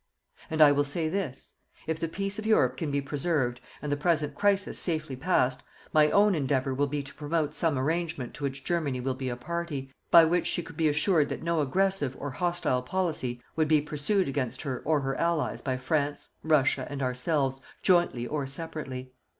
And I will say this: if the peace of Europe can be preserved, and the present crisis safely passed, my own endeavour will be to promote some arrangement to which Germany will be a party, by which she could be assured that no aggressive or hostile policy would be pursued against her or her allies by France, Russia, and ourselves, jointly or separately.